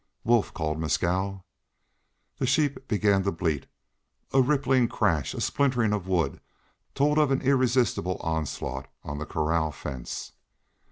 "Wolf!" called Mescal. The sheep began to bleat. A rippling crash, a splintering of wood, told of an irresistible onslaught on the corral fence.